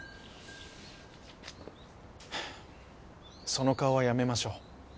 その顔はやめましょう。